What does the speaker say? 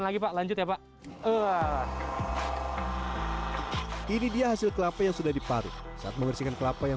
lagi pak lanjut ya pak ini dia hasil kelapa yang sudah diparut saat membersihkan kelapa yang